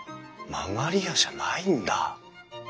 曲り家じゃないんだ。